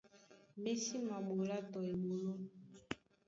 Mí sí maɓolá tɔ eɓoló.